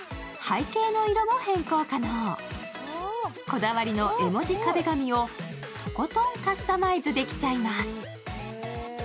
こだわりの絵文字壁紙をとことんカスタマイズできちゃいます。